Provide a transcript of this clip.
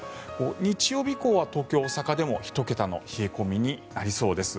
日曜日以降は東京、大阪でも１桁の冷え込みになりそうです。